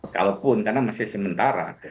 kalaupun karena masih sementara